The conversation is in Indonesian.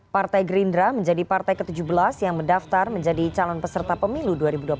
partai gerindra menjadi partai ke tujuh belas yang mendaftar menjadi calon peserta pemilu dua ribu dua puluh empat